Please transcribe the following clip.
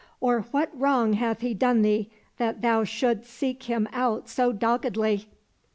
" Or what wrong hath he done thee, that thou shouldst seek him out so doggedly